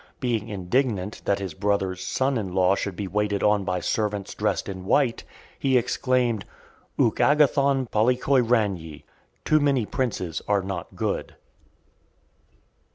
Being indignant, that his brother's son in law should be waited on by servants dressed in white , he exclaimed, ouk agathon polykoiraniae. Too many princes are not good.